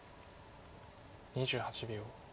２８秒。